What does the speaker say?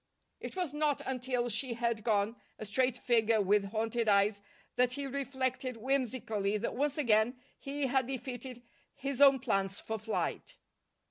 It was not until she had gone, a straight figure with haunted eyes, that he reflected whimsically that once again he had defeated his own plans for flight.